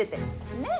ねえ？